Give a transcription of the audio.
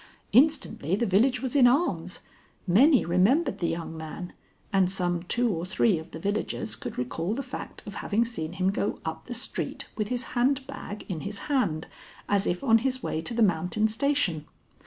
Instantly the village was in arms. Many remembered the young man, and some two or three of the villagers could recall the fact of having seen him go up the street with his hand bag in his hand as if on his way to the Mountain station.